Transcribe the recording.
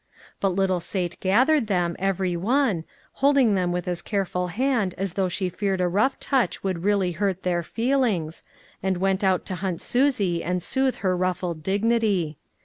But little Sate gathered them, every one, holding them with as careful hand as % though she feared a rough touch would really hurt their feelings, and went out to hunt Susie and soothe her ruffled dignity.